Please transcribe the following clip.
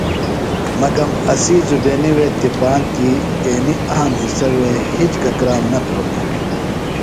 مگم اسی زبینی تپان تی اینوࣿ اہم حصہ وے ہِج گہ کرام نہ بِھلوࣿ دےۡ۔